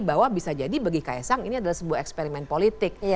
bahwa bisa jadi bagi kaisang ini adalah sebuah eksperimen politik